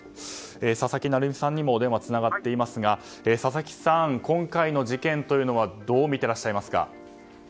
佐々木成三さんにもお電話がつながっていますが佐々木さん、今回の事件はどう見ていらっしゃいますか？